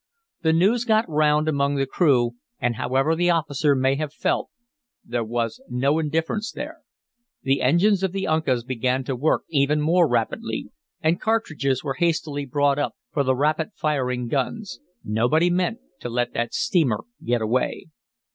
The news got round among the crew, and however the officer may have felt, there was no indifference there. The engines of the Uncas began to work even more rapidly, and cartridges were hastily brought up for the rapid firing guns. Nobody meant to let that steamer get away.